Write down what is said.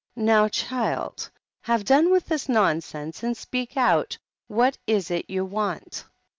"Now, child, have done with this nonsense and speak out. What is it you want